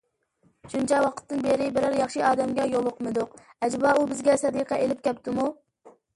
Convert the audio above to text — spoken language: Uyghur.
شۇنچە ۋاقىتتىن بېرى بىرەر ياخشى ئادەمگە يولۇقمىدۇق، ئەجەبا ئۇ بىزگە سەدىقە ئېلىپ كەپتۇمۇ؟